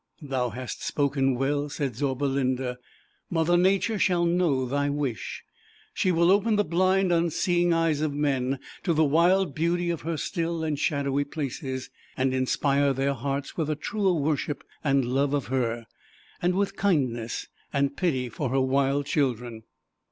"Thou hast spoken well," said Zauber linda. "Mother Nature shall know thy iShe will open the blind, unseeing eyes of men to the wild beauty of Her still and shadowy places, and inspire their hearts with a truer worship and love of Her, and with kindness and pity for Her wild children.